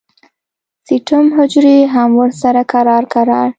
سټیم حجرې هم ورسره کرار کرار